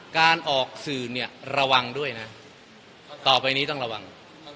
การออกสื่อเนี่ยระวังด้วยนะต่อไปนี้ต้องระวัง